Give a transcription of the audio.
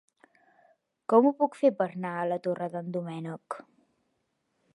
Com ho puc fer per anar a la Torre d'en Doménec?